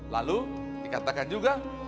lalu dikatakan juga